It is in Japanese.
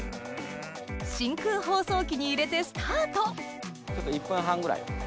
真空包装機に入れてスタート１分半ぐらい。